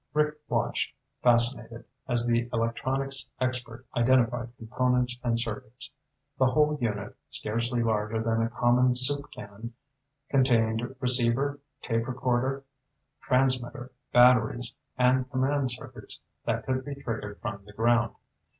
Rick watched, fascinated, as the electronics expert identified components and circuits. The whole unit, scarcely larger than a common soup can, contained receiver, tape recorder, transmitter, batteries, and command circuits that could be triggered from the ground.